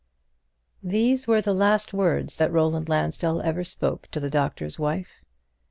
'" These were the last words that Roland Lansdell ever spoke to the Doctor's Wife.